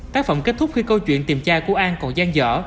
tác phẩm kết thúc khi câu chuyện tìm cha của an còn gian dở